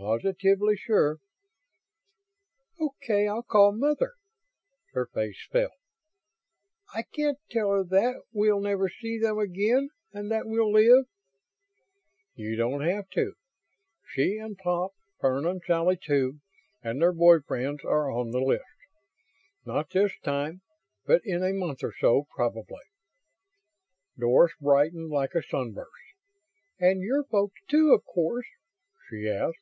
"Positively sure." "Okay, I'll call mother...." Her face fell. "I can't tell her that we'll never see them again and that we'll live ..." "You don't need to. She and Pop Fern and Sally, too, and their boy friends are on the list. Not this time, but in a month or so, probably." Doris brightened like a sunburst. "And your folks, too, of course?" she asked.